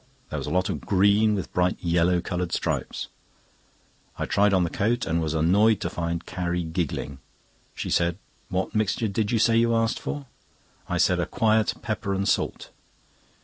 There was a lot of green with bright yellow coloured stripes. I tried on the coat, and was annoyed to find Carrie giggling. She said: "What mixture did you say you asked for?" I said: "A quiet pepper and salt."